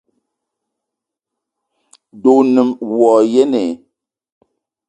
De o ne wa yene?